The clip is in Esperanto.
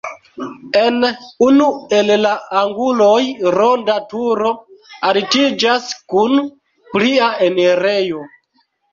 En unu el la anguloj ronda turo altiĝas kun plia enirejo.